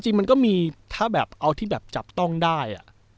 จริงมันก็มีถ้าแบบเอาที่แบบจับต้องได้